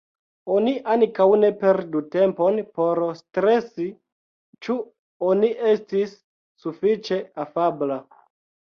Oni ankaŭ ne perdu tempon por stresi ĉu oni estis sufiĉe afabla.